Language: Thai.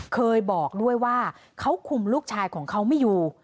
เคยบอกด้วยว่าเขาคุมลูกชายของเขาไม่อยู่